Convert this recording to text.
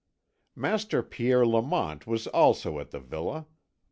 Master Pierre Lamont was also at the villa.